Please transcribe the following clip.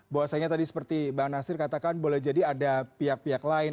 bahwasanya tadi seperti bang nasir katakan boleh jadi ada pihak pihak lain